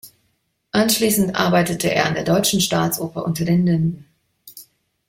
Anschließend arbeitete er an der Deutschen Staatsoper Unter den Linden.